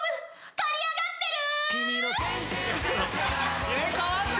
刈り上がってる！？